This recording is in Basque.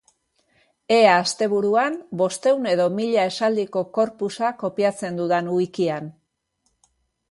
Ea asteburuan bostehun edo mila esaldiko corpusa kopiatzen dudan wikian.